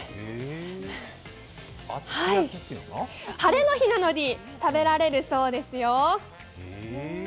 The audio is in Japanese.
ハレの日などに食べられるそうですよ。